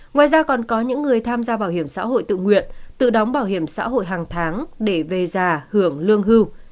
ngoài ra còn có những người tham gia bảo hiểm xã hội tự nguyện tự đóng bảo hiểm xã hội hàng tháng để về già hưởng lương hưu